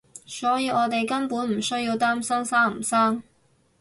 所以我哋根本唔需要擔心生唔生